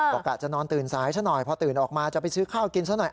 เออบอกกะจะนอนตื่นสายเฉินหน่อยพอตื่นออกมาจะไปซื้อข้าวกินเฉินหน่อย